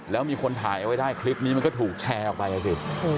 แล้วมีคนถ่ายเอาไว้ได้คลิปนี้มันก็ถูกแชร์ออกไปอ่ะสิ